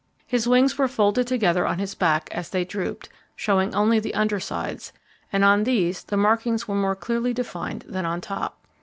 His wings were folded together on his back as they drooped, showing only the under sides, and on these the markings were more clearly defined than on top.